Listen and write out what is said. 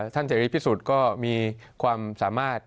เสรีพิสุทธิ์ก็มีความสามารถ